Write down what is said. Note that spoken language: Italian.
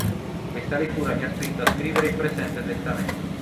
Questa lettura mi ha spinto a scrivere il presente testamento.